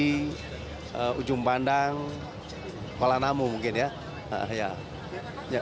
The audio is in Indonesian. selain pak menteri di sini juga ada pak wali kota bogor yang bekerja sama dengan ja connection ya pak